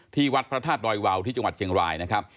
ที่วัดพระธาตุดอยวาวที่จังหวัดเชียงรายนะครับ